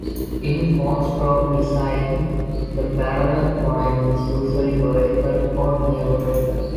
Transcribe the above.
In four-stroke designs, the parallel twin is usually vertical or near vertical.